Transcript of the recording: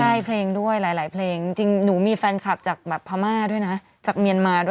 ใช่เพลงด้วยหลายเพลงจริงหนูมีแฟนคลับจากแบบพม่าด้วยนะ